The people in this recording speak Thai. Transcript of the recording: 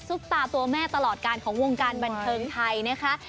ตาตัวแม่ตลอดการของวงการบันเทิงไทยนะคะ